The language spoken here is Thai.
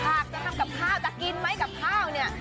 หากจะทำกับข้าวจะกินไหมกับข้าวเนี่ย